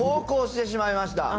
こうしてしまいました。